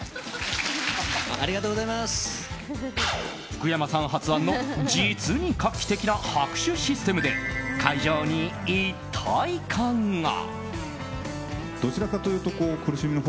福山さん発案の実に画期的な拍手システムで会場に一体感が。